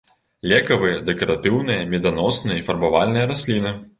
Лекавыя, дэкаратыўныя, меданосныя і фарбавальныя расліны.